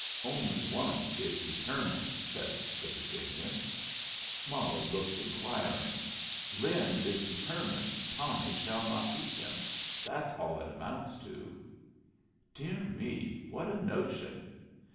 "Only one is determined," said the Virginian Molly looked inquiring. "Lin is determined Tommy shall not beat him. That's all it amounts to." "Dear me, what a notion!"